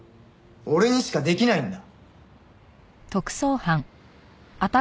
俺にしかできないんだ！